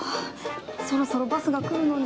そろそろバスが来るのに。